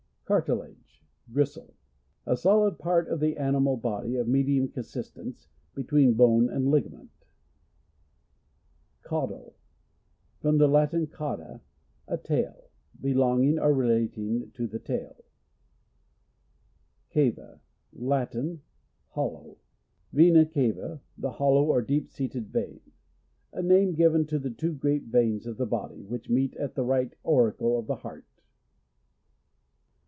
Cartilage. — Grisile. A solid part of, the animal body of medium consis tence between bone and ligament. Caudal. — From the Latin, cauda, a 1a.il. Btlongingor lelatinglothc tail. Cava. — Latin. Hollow. Vena cava, the hollow or deep seated vein. A name given to the two great veins of the body, which meet at the right auricle of the heart.